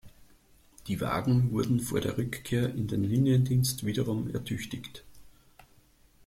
Die Wagen wurden vor der Rückkehr in den Liniendienst wiederum ertüchtigt.